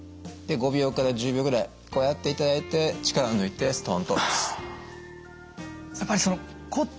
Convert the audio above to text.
で５秒から１０秒ぐらいこうやっていただいて力を抜いてストンと下ろす。